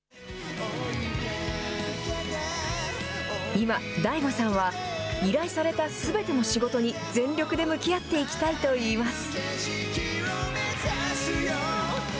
今、ＤＡＩＧＯさんは依頼されたすべての仕事に全力で向き合っていきたいといいます。